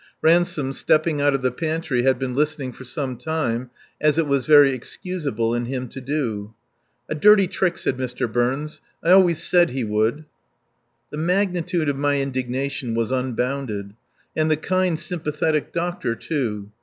Ransome, stepping out of the pantry, had been listening for some time, as it was very excusable in him to do. "A dirty trick," said Mr. Burns. "I always said he would." The magnitude of my indignation was unbounded. And the kind, sympathetic doctor, too.